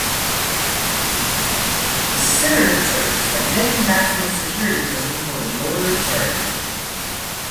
The centre serves as the main maximum security prison for the Northern Territory.